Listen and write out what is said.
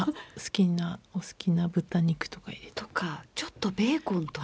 お好きな豚肉とか入れても。とかちょっとベーコンとか。